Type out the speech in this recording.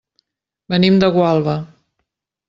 Venim de Gualba.